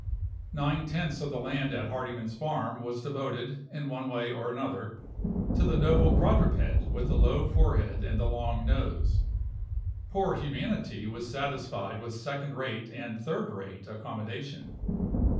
Nine tenths of the land at Hardyman's farm was devoted, in one way or another, to the noble quadruped with the low forehead and the long nose. Poor humanity was satisfied with second rate and third rate accommodation.